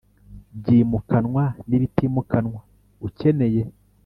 byimukanwa n ibitimukanwa ukeneye